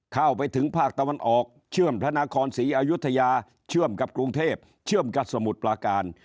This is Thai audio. เข้าไปถึงภาคตะวันออกเชื่อมพระนครศรีอายุทยาเชื่อมกับกรุงเทพเชื่อมกับสมุทรปลาการ